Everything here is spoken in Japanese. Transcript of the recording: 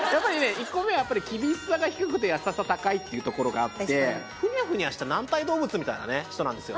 １個目は厳しさが低くて優しさ高いっていうところがあってふにゃふにゃした軟体動物みたいな人なんですよ